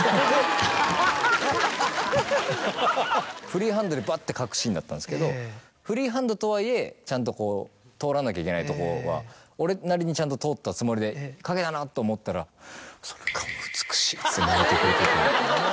フリーハンドでバッて書くシーンだったんですけどフリーハンドとはいえちゃんと通らなきゃいけないところは俺なりにちゃんと通ったつもりで書けたなって思ったらそれが美しいっつって泣いてくれてて。